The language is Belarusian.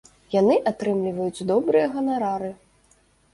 Яны атрымліваюць добрыя ганарары.